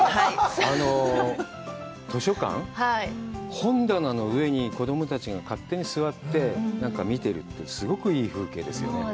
あの図書館、本棚の上に子供たちが勝手に座って見てるって、すごくいい風景ですよね。